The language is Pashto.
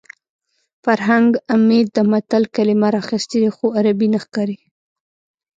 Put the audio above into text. فرهنګ عمید د متل کلمه راخیستې خو عربي نه ښکاري